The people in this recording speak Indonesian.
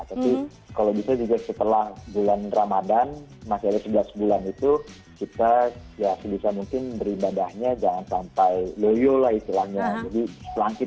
tapi kalau bisa juga setelah bulan ramadhan masih ada sebelas bulan itu kita ya sebisa mungkin beribadahnya jangan sampai loyo lah istilahnya